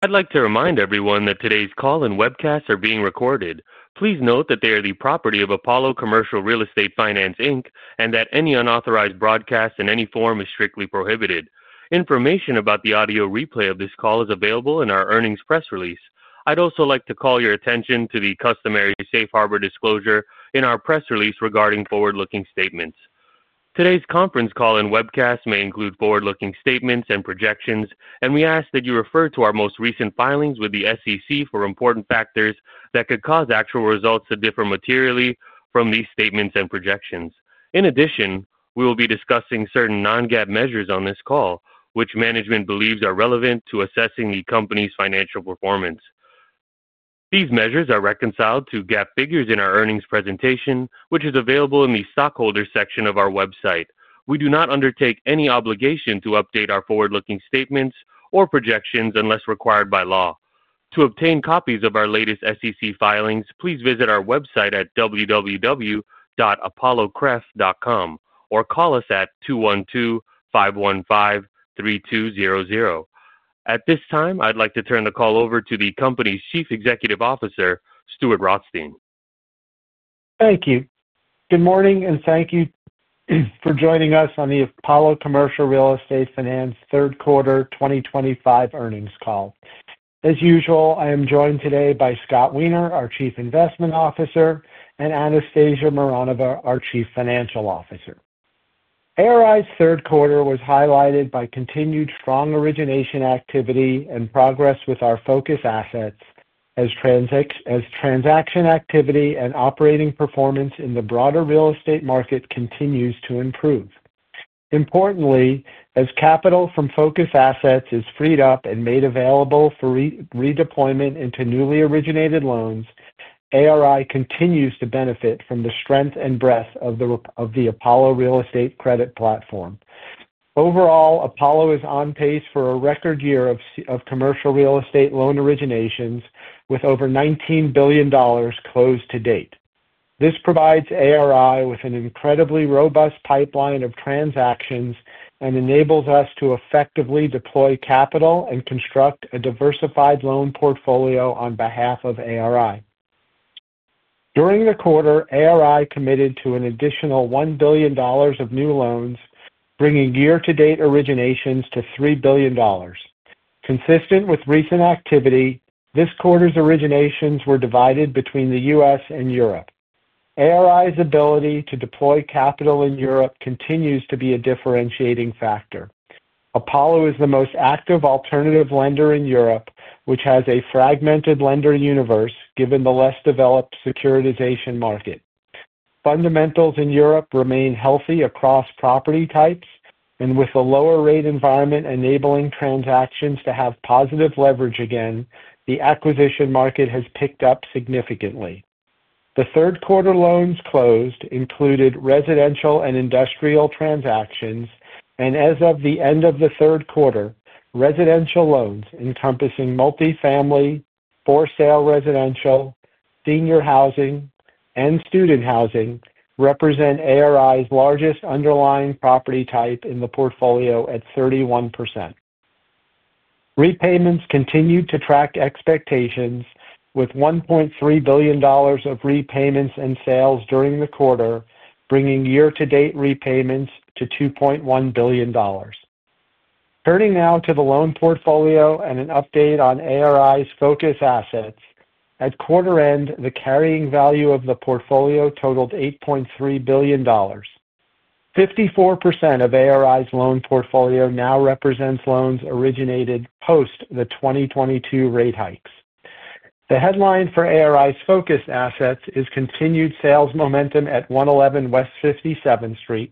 I'd like to remind everyone that today's call and webcast are being recorded. Please note that they are the property of Apollo Commercial Real Estate Finance Inc and that any unauthorized broadcast in any form is strictly prohibited. Information about the audio replay of this call is available in our earnings press release. I'd also like to call your attention to the customary safe harbor disclosure in our press release regarding forward-looking statements. Today's conference call and webcast may include forward-looking statements and projections, and we ask that you refer to our most recent filings with the SEC for important factors that could cause actual results to differ materially from these statements and projections. In addition, we will be discussing certain non-GAAP measures on this call, which management believes are relevant to assessing the company's financial performance. These measures are reconciled to GAAP figures in our earnings presentation, which is available in the stockholders' section of our website. We do not undertake any obligation to update our forward-looking statements or projections unless required by law. To obtain copies of our latest SEC filings, please visit our website at www.apollocref.com or call us at 212-515-3200. At this time, I'd like to turn the call over to the company's Chief Executive Officer, Stuart Rothstein. Thank you. Good morning, and thank you for joining us on the Apollo Commercial Real Estate Finance Third Quarter 2025 Earnings Call. As usual, I am joined today by Scott Weiner, our Chief Investment Officer, and Anastasia Mironova, our Chief Financial Officer. ARI's third quarter was highlighted by continued strong origination activity and progress with our focus assets as transaction activity and operating performance in the broader real estate market continues to improve. Importantly, as capital from focus assets is freed up and made available for redeployment into newly originated loans, ARI continues to benefit from the strength and breadth of the Apollo Real Estate Credit Platform. Overall, Apollo is on pace for a record year of commercial real estate loan originations, with over $19 billion closed to date. This provides ARI with an incredibly robust pipeline of transactions and enables us to effectively deploy capital and construct a diversified loan portfolio on behalf of ARI. During the quarter, ARI committed to an additional $1 billion of new loans, bringing year-to-date originations to $3 billion. Consistent with recent activity, this quarter's originations were divided between the U.S. and Europe. ARI's ability to deploy capital in Europe continues to be a differentiating factor. Apollo is the most active alternative lender in Europe, which has a fragmented lender universe given the less developed securitization market. Fundamentals in Europe remain healthy across property types, and with the lower rate environment enabling transactions to have positive leverage again, the acquisition market has picked up significantly. The third quarter loans closed included residential and industrial transactions, and as of the end of the third quarter, residential loans encompassing multifamily, for-sale residential, senior housing, and student housing represent ARI's largest underlying property type in the portfolio at 31%. Repayments continued to track expectations, with $1.3 billion of repayments and sales during the quarter, bringing year-to-date repayments to $2.1 billion. Turning now to the loan portfolio and an update on ARI's focus assets, at quarter end, the carrying value of the portfolio totaled $8.3 billion. 54% of ARI's loan portfolio now represents loans originated post the 2022 rate hikes. The headline for ARI's focus assets is continued sales momentum at 111 West 57th Street,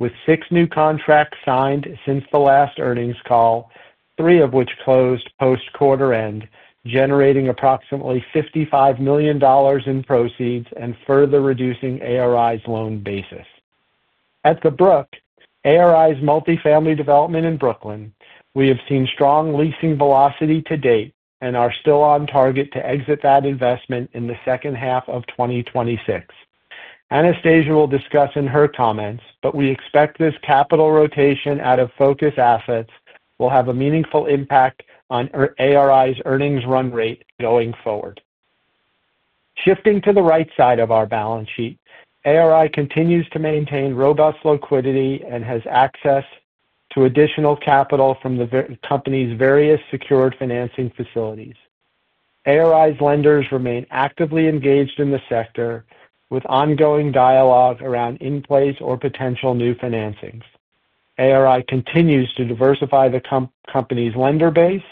with six new contracts signed since the last earnings call, three of which closed post-quarter end, generating approximately $55 million in proceeds and further reducing ARI's loan basis. At The Brooke, ARI's multifamily development in Brooklyn, we have seen strong leasing velocity to date and are still on target to exit that investment in the second half of 2026. Anastasia will discuss in her comments, but we expect this capital rotation out of focus assets will have a meaningful impact on ARI's earnings run rate going forward. Shifting to the right side of our balance sheet, ARI continues to maintain robust liquidity and has access to additional capital from the company's various secured financing facilities. ARI's lenders remain actively engaged in the sector, with ongoing dialogue around in-place or potential new financings. ARI continues to diversify the company's lender base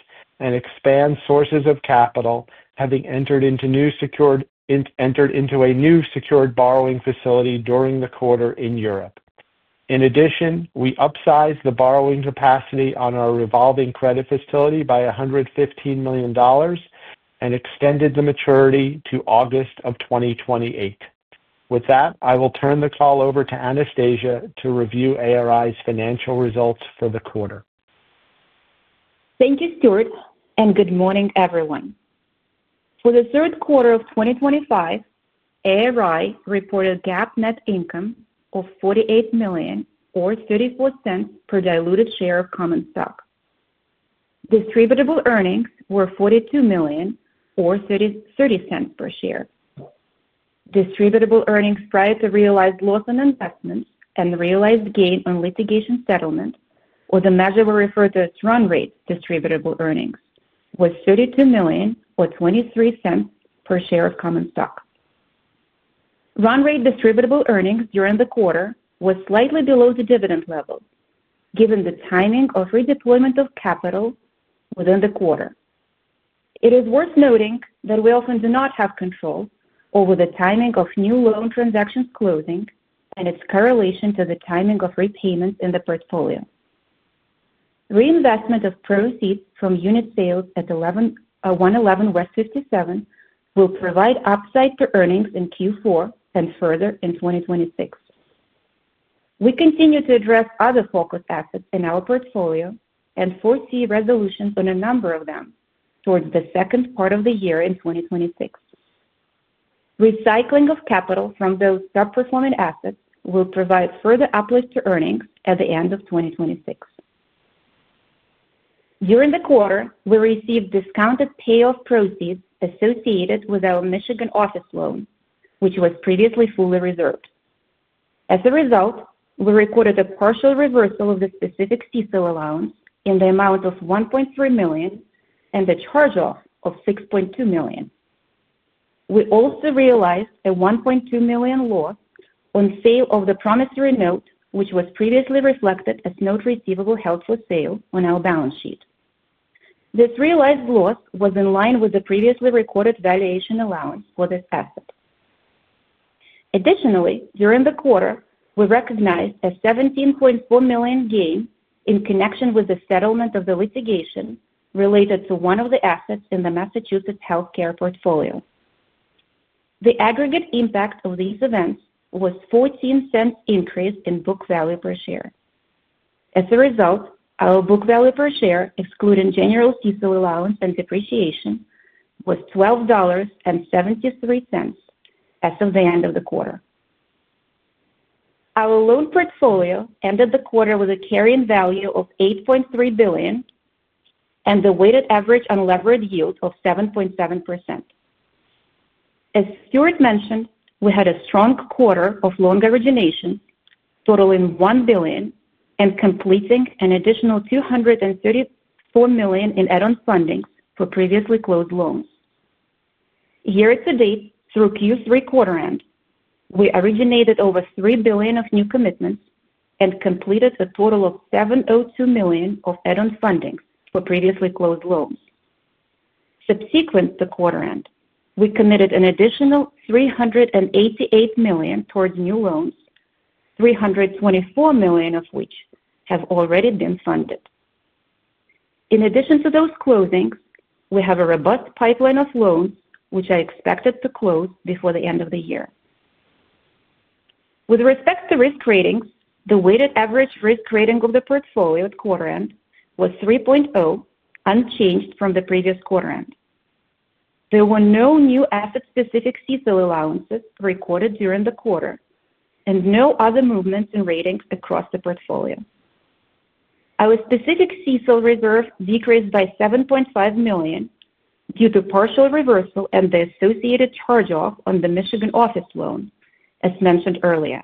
and expand sources of capital, having entered into a new secured borrowing facility during the quarter in Europe. In addition, we upsized the borrowing capacity on our revolving credit facility by $115 million and extended the maturity to August of 2028. With that, I will turn the call over to Anastasia to review ARI's financial results for the quarter. Thank you, Stuart, and good morning, everyone. For the third quarter of 2025, ARI reported GAAP net income of $48 million, or $0.34 per diluted share of common stock. Distributable earnings were $42 million, or $0.30 per share. Distributable earnings prior to realized loss on investments and realized gain on litigation settlement, or the measure we refer to as run rate distributable earnings, was $32 million, or $0.23 per share of common stock. Run rate distributable earnings during the quarter was slightly below the dividend level, given the timing of redeployment of capital within the quarter. It is worth noting that we often do not have control over the timing of new loan transactions closing and its correlation to the timing of repayments in the portfolio. Reinvestment of proceeds from unit sales at 111 West 57th will provide upside to earnings in Q4 and further in 2026. We continue to address other focus assets in our portfolio and foresee resolutions on a number of them towards the second part of the year in 2026. Recycling of capital from those sub-performing assets will provide further uplift to earnings at the end of 2026. During the quarter, we received discounted payoff proceeds associated with our Michigan office loan, which was previously fully reserved. As a result, we recorded a partial reversal of the specific CECL allowance in the amount of $1.3 million and a charge-off of $6.2 million. We also realized a $1.2 million loss on sale of the promissory note, which was previously reflected as no receivable held for sale on our balance sheet. This realized loss was in line with the previously recorded valuation allowance for this asset. Additionally, during the quarter, we recognized a $17.4 million gain in connection with the settlement of the litigation related to one of the assets in the Massachusetts healthcare portfolio. The aggregate impact of these events was a $0.14 increase in book value per share. As a result, our book value per share, excluding general CECL allowance and depreciation, was $12.73 as of the end of the quarter. Our loan portfolio ended the quarter with a carrying value of $8.3 billion and a weighted average unleveraged yield of 7.7%. As Stuart mentioned, we had a strong quarter of loan origination totaling $1 billion and completing an additional $234 million in add-on fundings for previously closed loans. Year-to-date, through Q3 quarter end, we originated over $3 billion of new commitments and completed a total of $702 million of add-on fundings for previously closed loans. Subsequent to quarter end, we committed an additional $388 million towards new loans, $324 million of which have already been funded. In addition to those closings, we have a robust pipeline of loans, which are expected to close before the end of the year. With respect to risk ratings, the weighted average risk rating of the portfolio at quarter end was 3.0, unchanged from the previous quarter end. There were no new asset-specific CECL allowances recorded during the quarter and no other movements in ratings across the portfolio. Our specific CECL reserve decreased by $7.5 million due to partial reversal and the associated charge-off on the Michigan office loan, as mentioned earlier.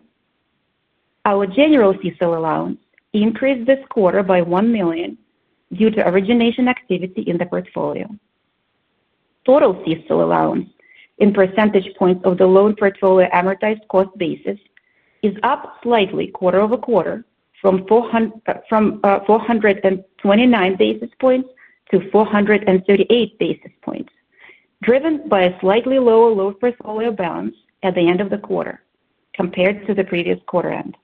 Our general CECL allowance increased this quarter by $1 million due to origination activity in the portfolio. Total CECL allowance, in percentage points of the loan portfolio amortized cost basis, is up slightly quarter-over-quarter from 429 basis points-438 basis points, driven by a slightly lower loan portfolio balance at the end of the quarter compared to the previous quarter end.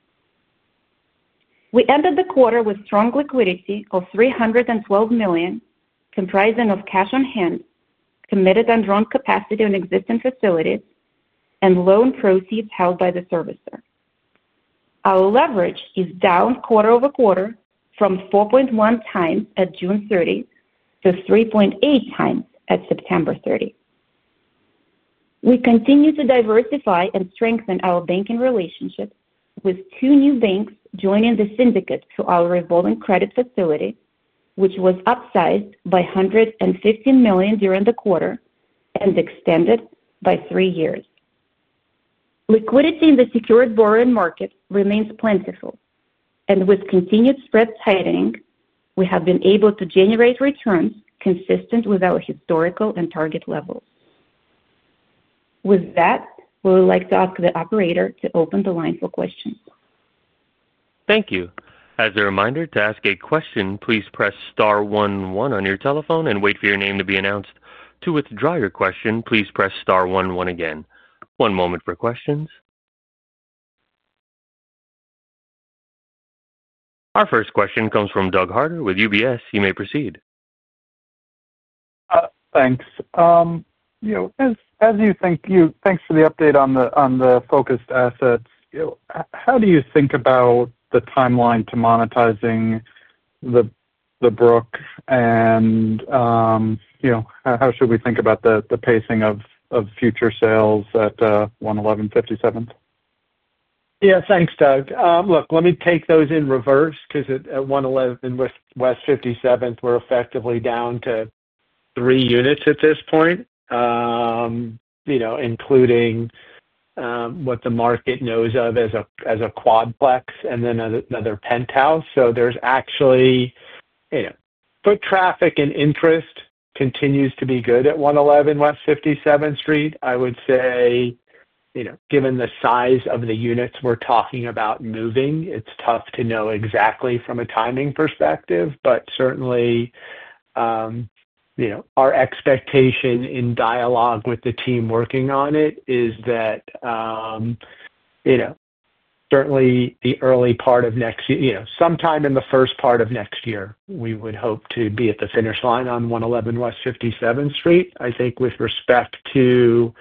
We ended the quarter with strong liquidity of $312 million, comprising cash on hand, committed and run capacity on existing facilities, and loan proceeds held by the servicer. Our leverage is down quarter-over-quarter from 4.1x at June 30 to 3.8x at September 30. We continue to diversify and strengthen our banking relationship with two new banks joining the syndicate to our revolving credit facility, which was upsized by $115 million during the quarter and extended by three years. Liquidity in the secured borrowing market remains plentiful, and with continued spread tightening, we have been able to generate returns consistent with our historical and target levels. With that, we would like to ask the operator to open the line for questions. Thank you. As a reminder, to ask a question, please press star one one on your telephone and wait for your name to be announced. To withdraw your question, please press star one one again. One moment for questions. Our first question comes from Doug Harter with UBS. You may proceed. Thanks. As you think about the update on the focused assets, how do you think about the timeline to monetizing The Brooke, and how should we think about the pacing of future sales at 111 57th? Yeah, thanks, Doug. Look, let me take those in reverse because at 111 West 57th, we're effectively down to three units at this point, including what the market knows of as a Quadplex and then another Penthouse. So there are actually foot traffic and interest continues to be good at 111 West 57th Street. I would say, given the size of the units we're talking about moving, it's tough to know exactly from a timing perspective, but certainly our expectation in dialogue with the team working on it is that certainly the early part of next year, sometime in the first part of next year, we would hope to be at the finish line on 111 West 57th Street. I think with respect to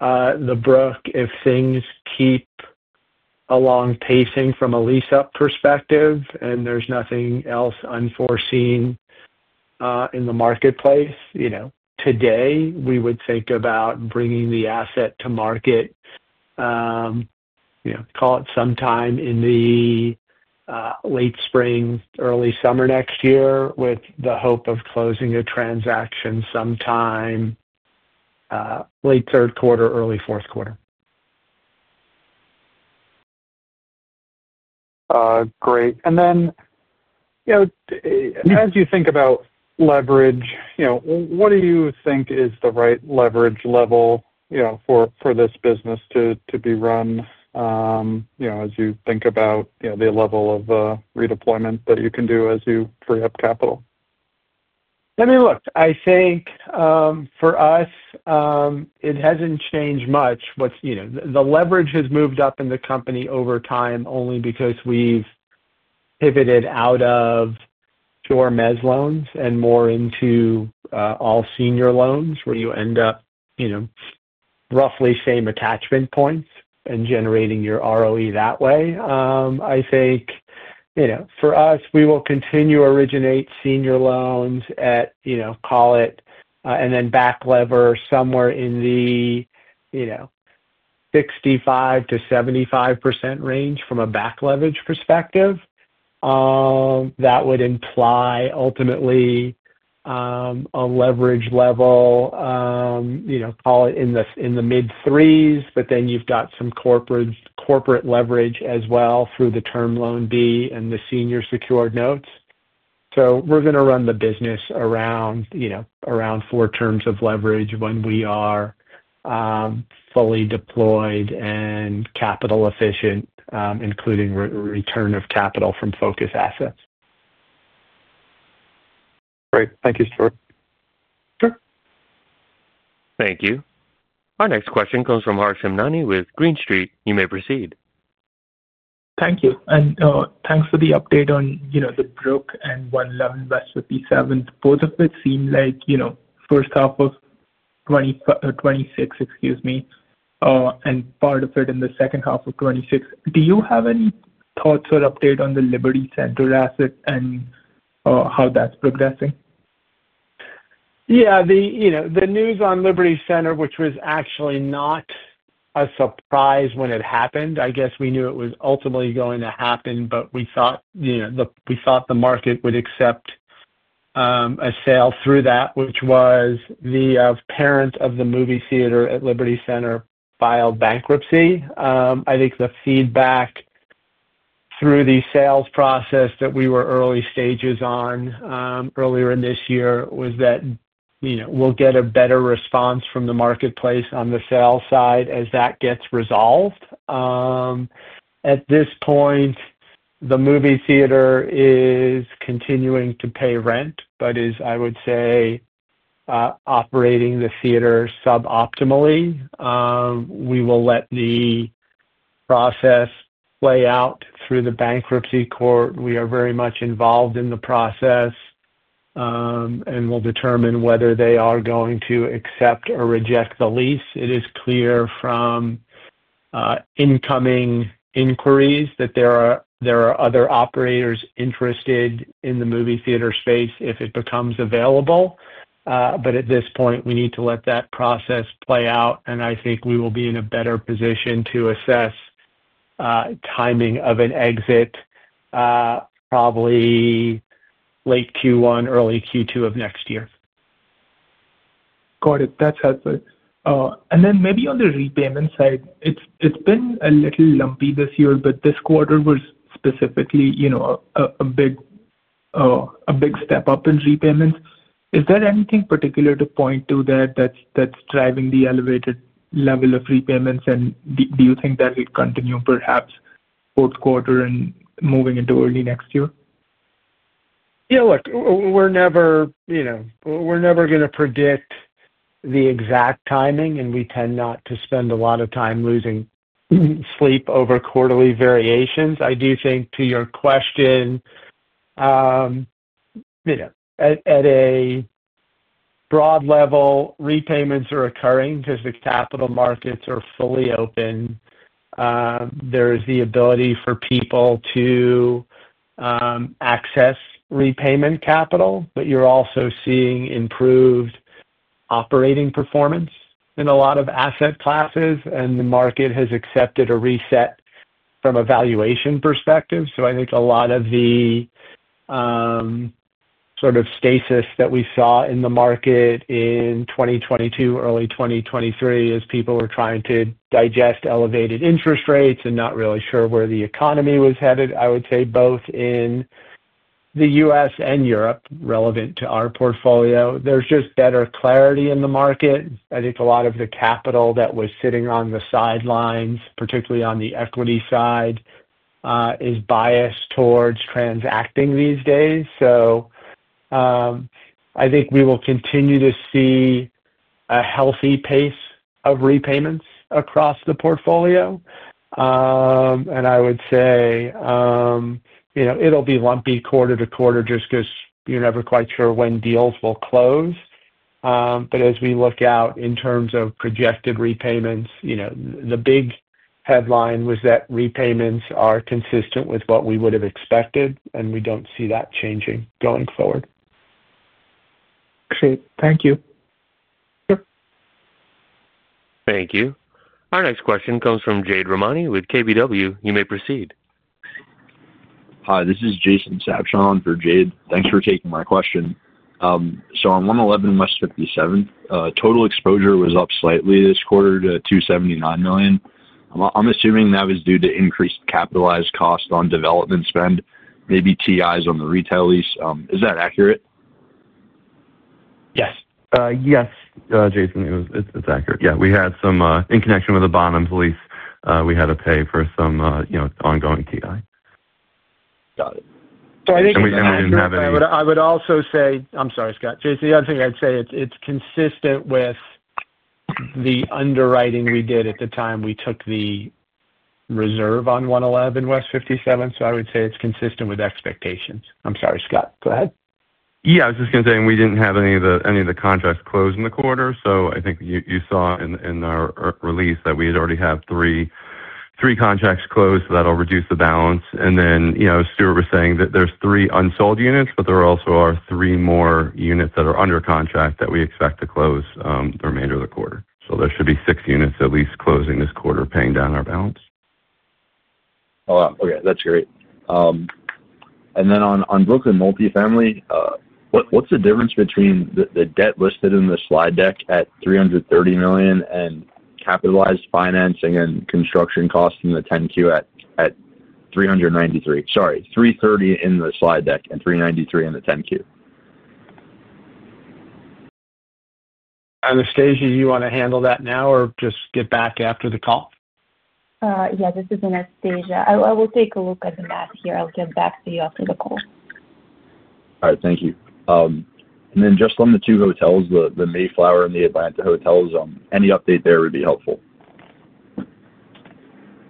The Brooke, if things keep along pacing from a lease-up perspective and there's nothing else unforeseen in the marketplace, you know today, we would think about bringing the asset to market, call it sometime in the late spring, early summer next year with the hope of closing a transaction sometime late third quarter, early fourth quarter. Great. And then as you think about leverage, what do you think is the right leverage level for this business to be run? As you think about the level of redeployment that you can do as you free up capital? I mean, look, I think for us it hasn't changed much. The leverage has moved up in the company over time only because we've pivoted out of pure [guess-mezz] loans and more into all senior loans where you end up roughly same attachment points and generating your ROE that way. I think for us, we will continue to originate senior loans at, call it, and then back lever somewhere in the 65%-75% range from a back leverage perspective. That would imply ultimately a leverage level, call it, in the mid-threes, but then you've got some corporate leverage as well through the term loan B and the senior secured notes. We're going to run the business around four terms of leverage when we are fully deployed and capital efficient, including return of capital from focus assets. Great. Thank you, Stuart. Sure. Thank you. Our next question comes from Harsh Hemnani with Green Street. You may proceed. Thank you. Thanks for the update on The Brooke and 111 West 57th. Both of it seemed like first half of 2026, excuse me, and part of it in the second half of 2026. Do you have any thoughts or update on the Liberty Center asset and how that's progressing? Yeah. The news on Liberty Center, which was actually not a surprise when it happened, I guess we knew it was ultimately going to happen, but we thought the market would accept a sale through that, which was the parent of the movie theater at Liberty Center filed bankruptcy. I think the feedback through the sales process that we were early stages on earlier in this year was that we'll get a better response from the marketplace on the sale side as that gets resolved. At this point, the movie theater is continuing to pay rent, but is, I would say, operating the theater suboptimally. We will let the process play out through the bankruptcy court. We are very much involved in the process and we'll determine whether they are going to accept or reject the lease. It is clear from incoming inquiries that there are other operators interested in the movie theater space if it becomes available. But at this point, we need to let that process play out, and I think we will be in a better position to assess timing of an exit, probably late Q1, early Q2 of next year. Got it. That's helpful. Maybe on the repayment side, it's been a little lumpy this year, but this quarter was specifically a big step up in repayments. Is there anything particular to point to that's driving the elevated level of repayments? Do you think that will continue, perhaps fourth quarter and moving into early next year? Yeah. Look, we're never going to predict the exact timing, and we tend not to spend a lot of time losing sleep over quarterly variations. I do think, to your question, at a broad level, repayments are occurring because the capital markets are fully open. There is the ability for people to access repayment capital, but you're also seeing improved operating performance in a lot of asset classes, and the market has accepted a reset from a valuation perspective. I think a lot of the sort of stasis that we saw in the market in 2022, early 2023, as people were trying to digest elevated interest rates and not really sure where the economy was headed, I would say both in the U.S. and Europe relevant to our portfolio, there's just better clarity in the market. I think a lot of the capital that was sitting on the sidelines, particularly on the equity side, is biased towards transacting these days. So I think we will continue to see a healthy pace of repayments across the portfolio. I would say it'll be lumpy quarter-to-quarter just because you're never quite sure when deals will close. As we look out in terms of projected repayments, the big headline was that repayments are consistent with what we would have expected, and we don't see that changing going forward. Great. Thank you. Sure. Thank you. Our next question comes from Jade Rahmani with KBW. You may proceed. Hi, this is Jason Sabshon for Jade. Thanks for taking my question. On 111 West 57th, total exposure was up slightly this quarter to $279 million. I'm assuming that was due to increased capitalized cost on development spend, maybe TIs on the retail lease. Is that accurate? Yes. Yes, Jason, it's accurate. We had some, in connection with the bond on the lease, we had to pay for some ongoing TI. Got it. I think. We didn't have any. I would also say, I'm sorry, Scott. Jason, the other thing I'd say, it's consistent with the underwriting we did at the time we took the reserve on 111 West 57th. I would say it's consistent with expectations. I'm sorry, Scott. Go ahead. Yeah, I was just going to say we didn't have any of the contracts closed in the quarter. I think you saw in our release that we already have three contracts closed that'll reduce the balance. And you know Stuart was saying that there's three unsold units, but there also are three more units that are under contract that we expect to close the remainder of the quarter. There should be six units at least closing this quarter, paying down our balance. Okay. That's great. On Brooklyn multifamily, what's the difference between the debt listed in the slide deck at $330 million and capitalized financing and construction costs in the 10-Q at $393 million? Sorry, $330 million in the slide deck and $393 million in the 10-Q. Anastasia, do you want to handle that now or just get back after the call? Yeah, this is Anastasia. I will take a look at the math here. I'll get back to you after the call. All right. Thank you. Just on the two hotels, the Mayflower and the Atlanta hotels, any update there would be helpful.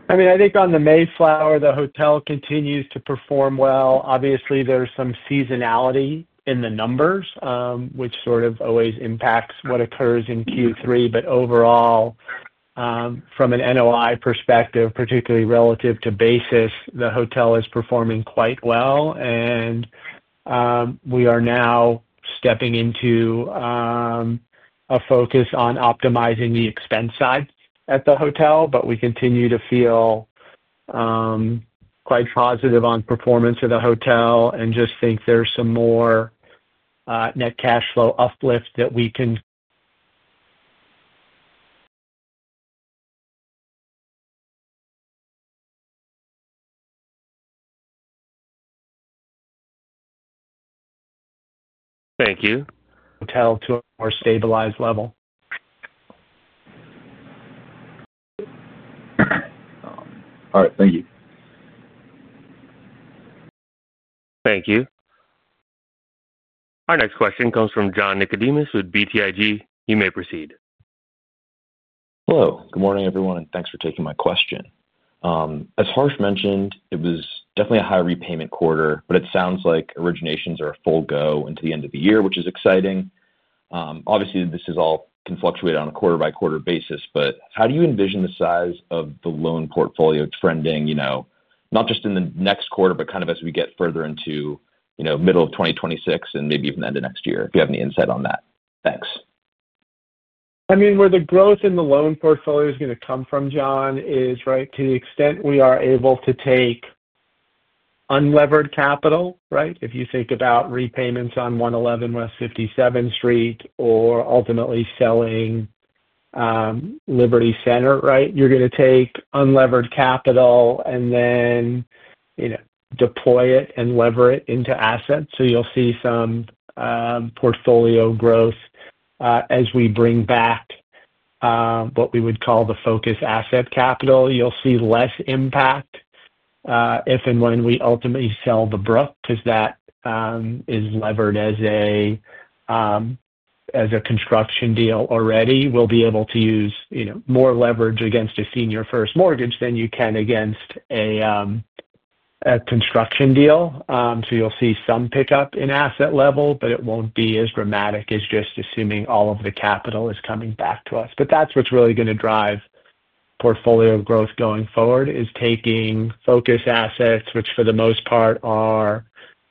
I think on the Mayflower, the hotel continues to perform well. Obviously, there's some seasonality in the numbers, which always impacts what occurs in Q3. Overall, from an NOI perspective, particularly relative to basis, the hotel is performing quite well. And we are now stepping into a focus on optimizing the expense side at the hotel, but we continue to feel quite positive on performance of the hotel and just think there's some more net cash flow uplift that we can. Thank you. Hotel to a more stabilized level. All right. Thank you. Thank you. Our next question comes from John Nicodemus with BTIG. You may proceed. Hello. Good morning, everyone, and thanks for taking my question. As Harsh mentioned, it was definitely a high repayment quarter, but it sounds like originations are a full go into the end of the year, which is exciting. Obviously, this all can fluctuate on a quarter-by-quarter basis, but how do you envision the size of the loan portfolio trending? Not just in the next quarter, but kind of as we get further into the middle of 2026 and maybe even the end of next year? If you have any insight on that, thanks. I mean, where the growth in the loan portfolio is going to come from, John, is to the extent we are able to take unlevered capital, right? If you think about repayments on 111 West 57th Street or ultimately selling Liberty Center, right, you're going to take unlevered capital and then deploy it and lever it into assets. You'll see some portfolio growth as we bring back what we would call the focus asset capital. You'll see less impact if and when we ultimately sell The Brooke because that is levered as a construction deal already. We'll be able to use more leverage against a senior first mortgage than you can against a construction deal. You'll see some pickup in asset level, but it won't be as dramatic as just assuming all of the capital is coming back to us. That's what's really going to drive portfolio growth going forward, is taking focus assets, which for the most part are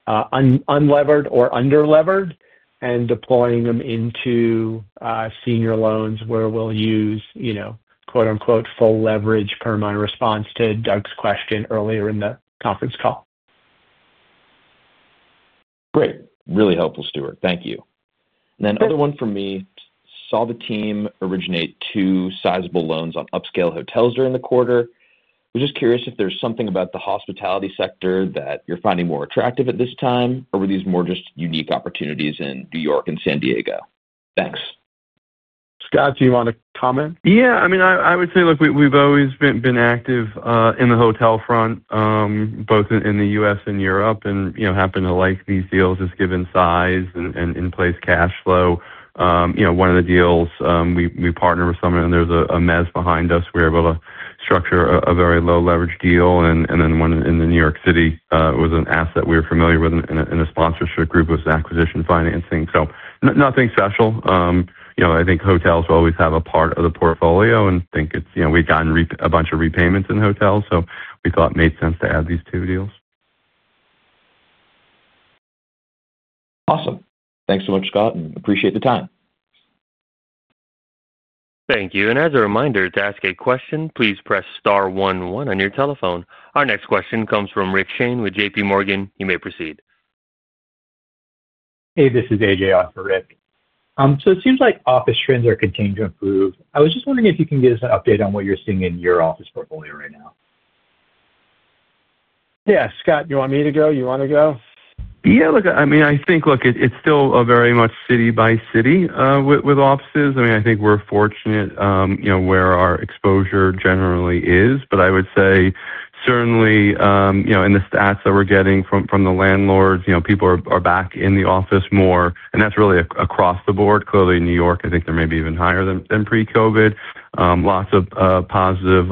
unlevered or underlevered, and deploying them into senior loans where we'll use "full leverage" per my response to Doug's question earlier in the conference call. Great. Really helpful, Stuart. Thank you. The other one for me, saw the team originate two sizable loans on upscale hotels during the quarter. We're just curious if there's something about the hospitality sector that you're finding more attractive at this time, or were these more just unique opportunities in New York and San Diego? Thanks. Scott, do you want to comment? Yeah. I mean, I would say we've always been active in the hotel front, both in the U.S. and Europe, and happen to like these deals just given size and in place cash flow. One of the deals, we partnered with someone, and there's a mezz behind us. We were able to structure a very low-leverage deal. Then one in New York City, it was an asset we were familiar with in a sponsorship group, was acquisition financing. Nothing special. I think hotels will always have a part of the portfolio, and I think we've gotten a bunch of repayments in hotels. We thought it made sense to add these two deals. Awesome. Thanks so much, Scott, and appreciate the time. Thank you. As a reminder, to ask a question, please press star one one on your telephone. Our next question comes from Rick Shane with JPMorgan. You may proceed. Hey, this is AJ on for Rick. It seems like office trends are continuing to improve. I was just wondering if you can give us an update on what you're seeing in your office portfolio right now. Yeah, Scott, you want me to go? You want to go? Yeah. I mean, I think it's still very much city-by-city with offices. I think we're fortunate where our exposure generally is. I would say certainly in the stats that we're getting from the landlords, people are back in the office more, and that's really across the board. Clearly, New York, I think they're maybe even higher than pre-COVID. Lots of positive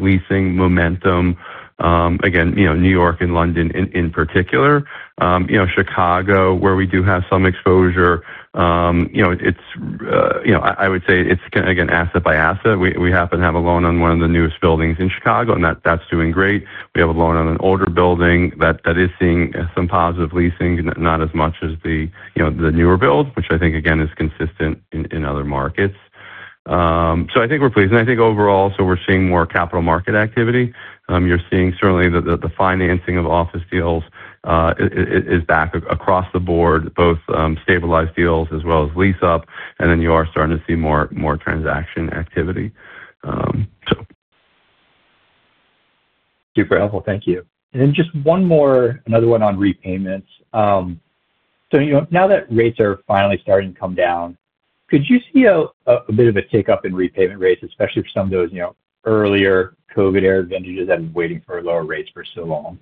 leasing momentum, again, New York and London in particular. Chicago, where we do have some exposure, I would say it's again asset-by-asset. We happen to have a loan on one of the newest buildings in Chicago, and that's doing great. We have a loan on an older building that is seeing some positive leasing, not as much as the newer build, which I think is consistent in other markets. I think we're pleased. I think overall we're seeing more capital market activity. You're seeing certainly that the financing office deals is back across the board, both stabilized deals as well as lease-up, and you are starting to see more transaction activity. Super helpful. Thank you. Just one more, another one on repayments. Now that rates are finally starting to come down, could you see a bit of a take-up in repayment rates, especially for some of those earlier COVID-era vendors that have been waiting for lower rates for so long?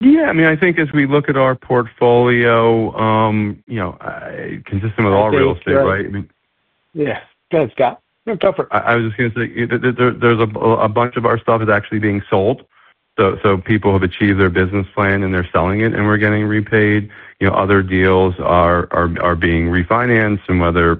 Yeah, I mean, I think as we look at our portfolio, consistent with all real estate, right? Yeah, go ahead, Scott. Go for it. I was just going to say there's a bunch of our stuff is actually being sold. People have achieved their business plan, and they're selling it, and we're getting repaid. Other deals are being refinanced, whether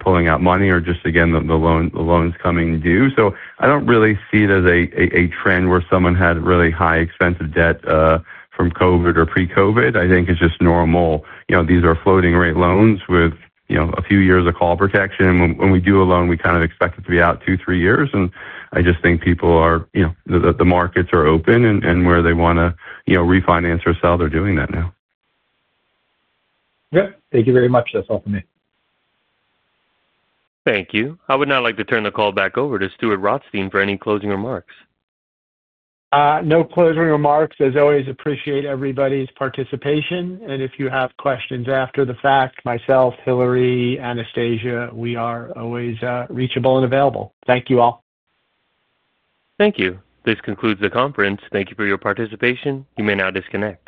pulling out money or just, again, the loans coming due. I don't really see it as a trend where someone had really high expensive debt from COVID or pre-COVID. I think it's just normal. These are floating-rate loans with a few years of call protection. When we do a loan, we kind of expect it to be out two, three years. I just think people are, the markets are open, and where they want to refinance or sell, they're doing that now. Thank you very much. That's all for me. Thank you. I would now like to turn the call back over to Stuart Rothstein for any closing remarks. No closing remarks. As always, appreciate everybody's participation. If you have questions after the fact, myself, Hillary, Anastasia, we are always reachable and available. Thank you all. Thank you. This concludes the conference. Thank you for your participation. You may now disconnect.